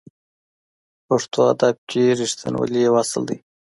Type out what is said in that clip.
پښتو ادب کې رښتینولي یو اصل دی.